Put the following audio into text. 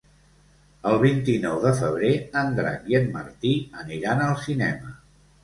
El vint-i-nou de febrer en Drac i en Martí aniran al cinema.